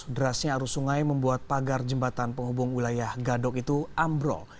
derasnya arus sungai membuat pagar jembatan penghubung wilayah gadok itu ambrol